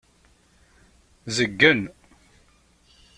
Zeggen.